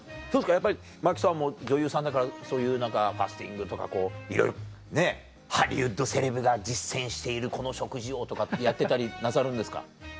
やっぱり真木さんも女優さんだからそういうファスティングとかいろいろねハリウッドセレブが実践しているこの食事を！とかってやってたりなさるんですか？